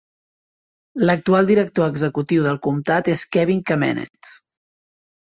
L'actual Director Executiu del comtat és Kevin Kamenetz.